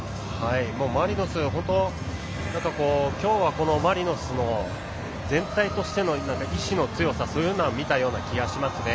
マリノスは今日はマリノスの全体としての意志の強さそういうのは見たような気がします。